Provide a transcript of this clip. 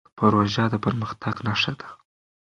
پروژه د پرمختګ نښه ده.